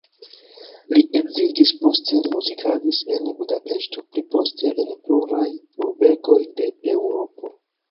Li edziĝis, poste li muzikadis en Budapeŝto, pli poste en pluraj urbegoj de Eŭropo.